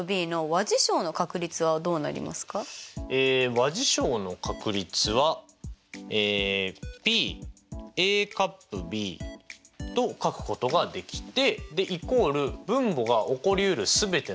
和事象の確率はＰと書くことができてイコール分母が起こりうる全ての場合の数。